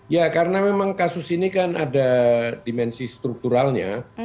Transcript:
ya karena memang kasus ini kan ada dimensi strukturalnya